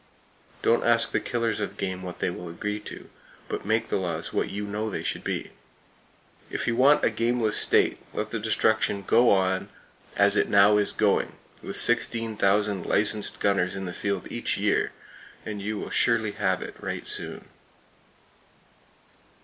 Don't ask the killers of game what they will agree to, but make the laws what you know they should be! If you want a gameless state, let the destruction go on as it now is going, with 16,000 licensed gunners in the field each year, and you will surely have it, right soon.